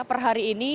per hari ini